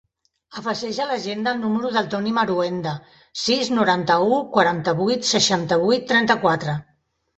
Afegeix a l'agenda el número del Toni Marhuenda: sis, noranta-u, quaranta-vuit, seixanta-vuit, trenta-quatre.